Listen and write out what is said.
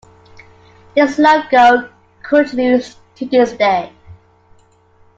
This logo continues to this day.